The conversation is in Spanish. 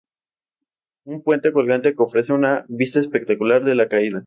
Un puente colgante que ofrece una vista espectacular de la caída.